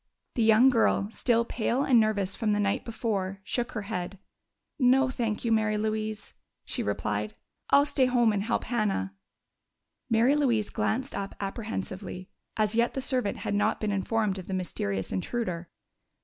The young girl, still pale and nervous from the night before, shook her head. "No, thank you, Mary Louise," she replied. "I'll stay home and help Hannah." Mary Louise glanced up apprehensively. As yet the servant had not been informed of the mysterious intruder.